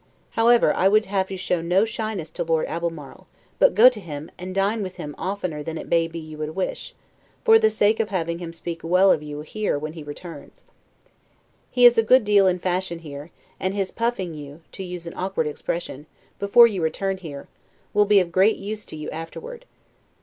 However, I would have you show no shyness to Lord Albemarle, but go to him, and dine with him oftener than it may be you would wish, for the sake of having him speak well of you here when he returns. He is a good deal in fashion here, and his PUFFING you (to use an awkward expression) before you return here, will be of great use to you afterward.